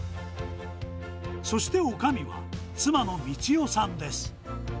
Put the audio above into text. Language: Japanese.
そしておかみは、妻の三千代さんです。